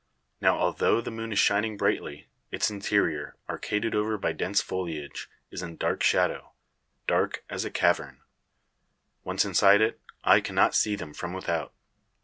Now, although the moon is shining brightly, its interior, arcaded over by dense foliage, is in dark shadow dark as a cavern. Once inside it, eye cannot see them from without.